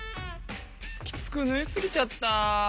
きつくぬいすぎちゃった。